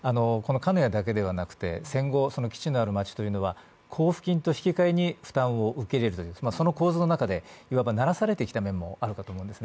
鹿屋だけではなくて、戦後、基地のある街というのは交付金と引き換えに受け入れるという、その構図の中でならされてきた面もあるかと思うんですね。